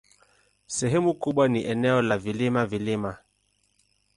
Sehemu kubwa ni eneo la vilima-vilima.